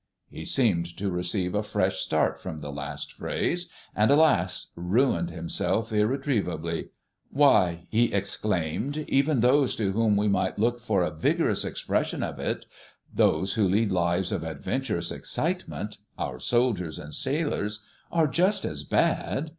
He seemed to receive a fresh start from the last phrase, and, alas! ruined himself irretrievably. "Why," he exclaimed, "even those to whom we might look for a vigorous expression of it those who lead lives of adventurous excitement our soldiers and sailors are just as bad.